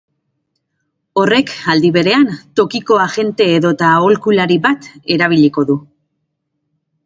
Horrek, aldi berean, tokiko agente edota aholkulari bat erabiliko du.